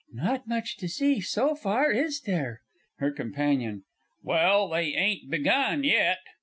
Not much to see so far, is there? HER COMPANION. Well, they ain't begun yet.